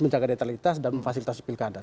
menjaga netralitas dan memfasilitasi pilkada